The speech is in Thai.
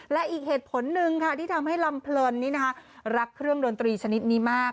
และอีกเหตุผลหนึ่งค่ะที่ทำให้ลำเพลินรักเครื่องดนตรีชนิดนี้มาก